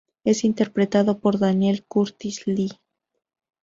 Es interpretado por Daniel Curtis Lee.